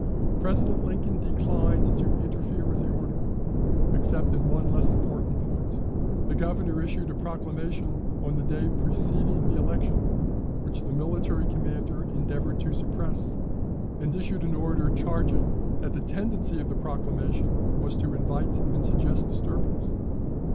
President Lincoln declined to interfere with the order, except in one less important point. The Governor issued a proclamation on the day preceding the election, which the military commander endeavored to suppress, and issued an order charging that the tendency of the proclamation was to invite and suggest disturbance.